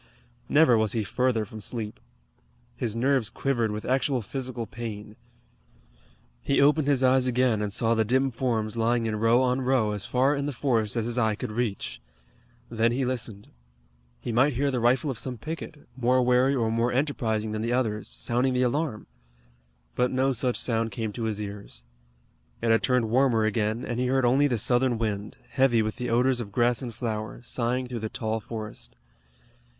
Never was he further from sleep. His nerves quivered with actual physical pain. He opened his eyes again and saw the dim forms lying in row on row as far in the forest as his eye could reach. Then he listened. He might hear the rifle of some picket, more wary or more enterprising than the others, sounding the alarm. But no such sound came to his ears. It had turned warmer again, and he heard only the Southern wind, heavy with the odors of grass and flower, sighing through the tall forest.